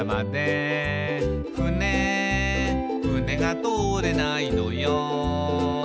「ふねふねが通れないのよ」